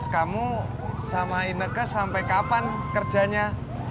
kamu sama ineke sampe kapan kerjanya